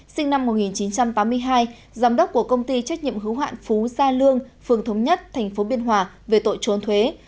sinh năm một nghìn chín trăm tám mươi hai giám đốc của công ty trách nhiệm hữu hạn phú gia lương phường thống nhất tp biên hòa về tội trốn thuế